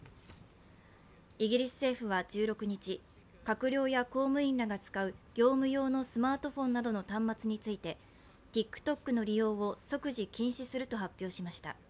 イギリス政府は１６日、閣僚や公務員らが使う業務用のスマートフォンなどの端末についてＴｉｋＴｏｋの利用を即時禁止すると発表しました。